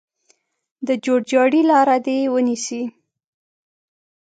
د جوړجاړي لاره دې ونیسي.